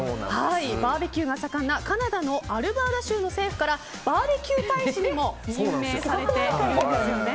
バーベキューが盛んなカナダのアルバータ州政府からバーベキュー大使にも任命されているんですよね。